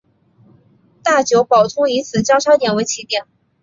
大久保通以此交差点为起点。